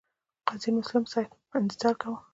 د قاضي مسلم صاحب انتظار کاوه.